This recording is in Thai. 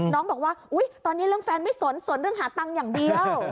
น้องบอกว่าตอนนี้เรื่องแฟนไม่สนสนเรื่องหาตังค์อย่างเดียว